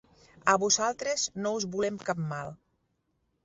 A vosaltres, no us volem cap mal